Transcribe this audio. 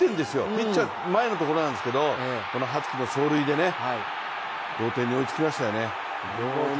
ピッチャー、前のところなんですけれども、この羽月の盗塁で同点に追いつきましたよね。